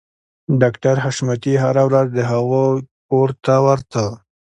ډاکټر حشمتي هره ورځ د هغوی کور ته ورته